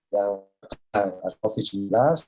yang covid sembilan belas